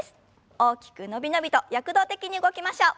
大きく伸び伸びと躍動的に動きましょう。